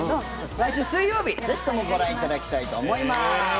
毎週水曜日ぜひともご覧いただきたいと思います。